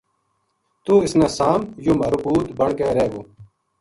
توہ اس نا سام یوہ مھارو پُوت بن کے رہ گو